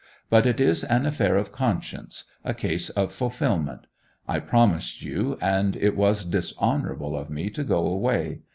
But it is an affair of conscience, a case of fulfilment. I promised you, and it was dishonourable of me to go away.